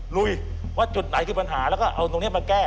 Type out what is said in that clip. ลุยว่าจุดไหนคือปัญหาแล้วก็เอาตรงนี้มาแก้